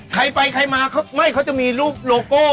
ใครไปใครมาเค้าจะมีลูกโลโก้